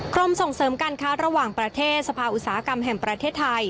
กรมส่งเสริมการค้าระหว่างประเทศสภาอุตสาหกรรมแห่งประเทศไทย